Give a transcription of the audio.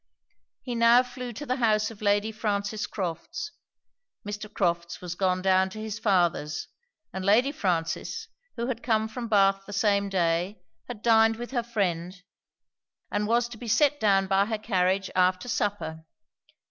He now flew to the house of Lady Frances Crofts. Mr. Crofts was gone down to his father's; and Lady Frances, who had come from Bath the same day, had dined with her friend, and was to be set down by her carriage after supper.